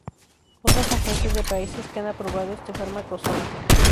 Otras agencias de países que han aprobado este fármaco son